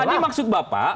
jadi maksud bapak